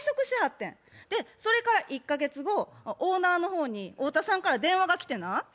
それから１か月後オーナーの方に太田さんから電話が来てな。